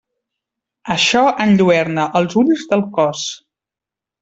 Això enlluerna els ulls del cos.